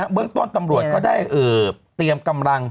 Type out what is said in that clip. เบื้องต้นตำรวจก็ได้เตรียมกำลัง